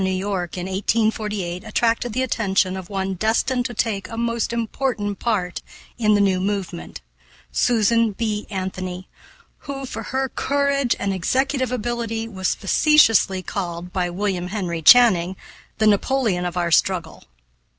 Y., in 1848, attracted the attention of one destined to take a most important part in the new movement Susan B. Anthony, who, for her courage and executive ability, was facetiously called by William Henry Channing, the Napoleon of our struggle.